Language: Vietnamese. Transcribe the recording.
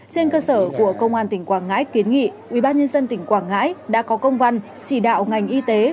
trên cơ sở của công an tỉnh quảng ngãi kiến nghị ubnd tỉnh quảng ngãi đã có công văn chỉ đạo ngành y tế